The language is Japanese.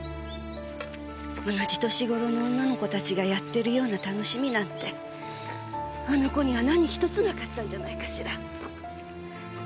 同じ年頃の女の子たちがやってるような楽しみなんてあの子には何ひとつなかったんじゃないかしら。